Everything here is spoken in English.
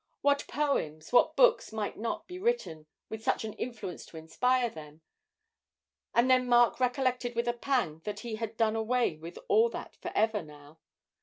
What poems, what books might not be written, with such an influence to inspire them, and then Mark recollected with a pang that he had done with all that for ever now.